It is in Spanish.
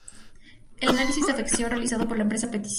el análisis de afecciones realizado por la empresa peticionaria